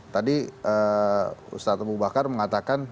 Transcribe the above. tadi ustaz temu bakar mengatakan